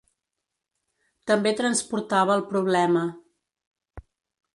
També transportava el problema.